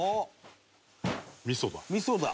「味噌だ！」